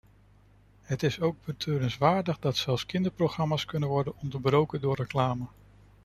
Het is ook betreurenswaardig dat zelfs kinderprogramma's kunnen worden onderbroken door reclame.